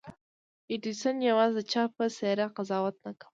ايډېسن يوازې د چا په څېره قضاوت نه کاوه.